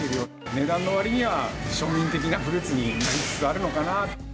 値段のわりには庶民的なフルーツになりつつあるのかな。